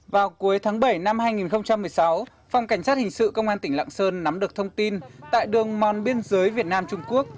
vào cuối tháng bảy năm hai nghìn một mươi sáu phòng cảnh sát hình sự công an tỉnh lạng sơn nắm được thông tin tại đường mòn biên giới việt nam trung quốc